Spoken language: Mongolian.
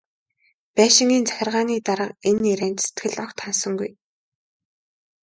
Байшингийн захиргааны дарга энэ ярианд сэтгэл огт ханасангүй.